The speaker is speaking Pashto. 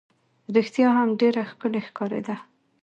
رښتیا هم ډېره ښکلې ښکارېده.